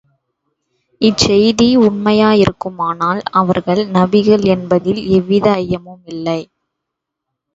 இச்செய்தி உண்மையாயிருக்குமானால், அவர்கள் நபிகள் என்பதில் எவ்வித ஐயமும் இல்லை.